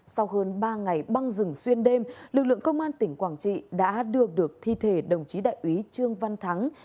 sau hơn ba ngày băng rừng xuyên đêm lực lượng công an tỉnh quảng trị đã đưa được thi thể đồng chí đại úy trương văn thắng